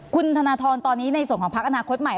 คุณธนทรตอนนี้ในส่วนของพักอนาคตใหม่